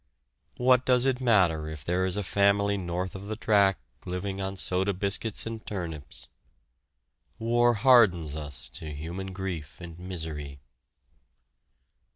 What does it matter if there is a family north of the track living on soda biscuits and turnips? War hardens us to human grief and misery.